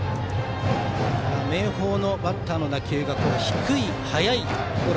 明豊のバッターの打球が低く速いゴロ。